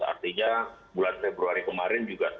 artinya bulan februari kemarin juga